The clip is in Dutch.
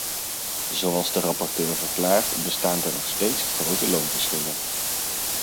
Zoals de rapporteur verklaart, bestaan er nog steeds grote loonverschillen.